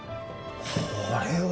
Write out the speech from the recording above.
これは！